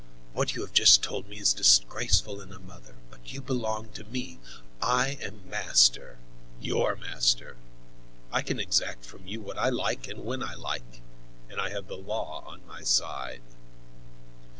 What you have just told me is disgraceful in a mother. But you belong to me; I am master—your master—I can exact from you what I like and when I like—and I have the law on my side."